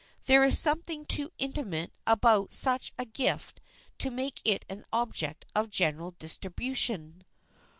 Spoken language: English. There is something too intimate about such a gift to make it an object of general distribution.